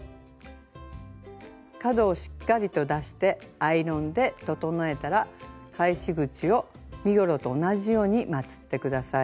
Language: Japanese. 角をしっかりと出してアイロンで整えたら返し口を身ごろと同じようにまつって下さい。